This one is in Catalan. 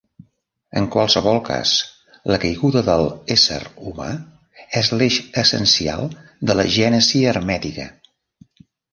En qualsevol cas, la caiguda de l'ésser humà és l'eix essencial de la gènesi hermètica.